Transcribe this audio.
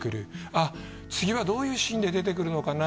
「あっ次はどういうシーンで出てくるのかな